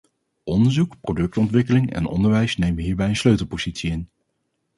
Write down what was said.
Onderzoek, productontwikkeling en onderwijs nemen hierbij een sleutelpositie in.